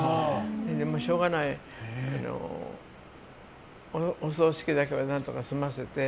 しょうがないお葬式だけは何とか済ませて。